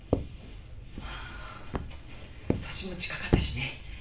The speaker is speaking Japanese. まあ年も近かったしね。